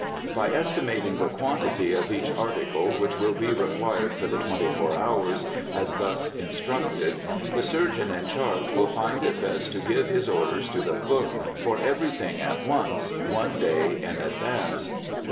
By estimating the quantity of each article which will be required for the twenty four hours, as thus instructed, the surgeon in charge will find it best to give his orders to the cook for everything at once, one day in advance.